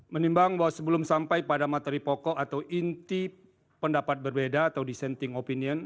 menimbang bahwa sebelum sampai pada materi pokok atau inti pendapat berbeda atau dissenting opinion